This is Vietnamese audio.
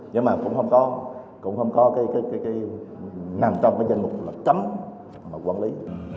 nhưng mà cũng không có cái nằm trong cái danh mục là chấm quản lý